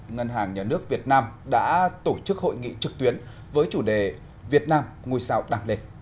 ngân hàng nhà nước việt nam đã tổ chức hội nghị trực tuyến với chủ đề việt nam ngôi sao đảng lệ